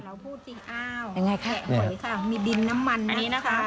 เราพูดจริงอ้าวแกะหอยค่ะมีดินน้ำมันนะคะ